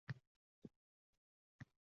Natijada u po`st tashlay boshlaydi.